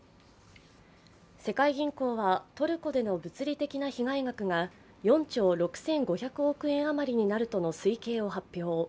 世界銀行は、トルコでの物理的な被害額が４兆６５００億円あまりになるとの推計を発表。